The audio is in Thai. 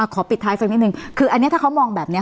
ปิดท้ายสักนิดนึงคืออันนี้ถ้าเขามองแบบนี้